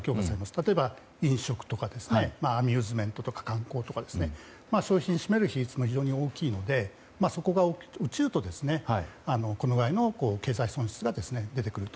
例えば飲食とかアミューズメントとか観光とか消費に占める比率も大きいのでそこが落ちると、このくらいの経済損失が出てくると。